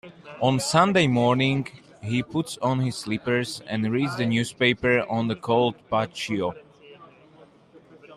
On Sunday mornings, he puts on his slippers and reads the newspaper on the cold patio.